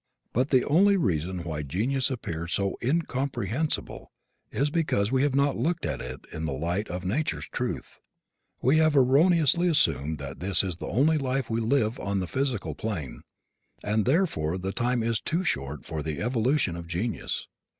But the only reason why genius appears so incomprehensible is because we have not looked at it in the light of nature's truth. We have erroneously assumed that this is the only life we live on the physical plane, and therefore the time is too short for the evolution of genius.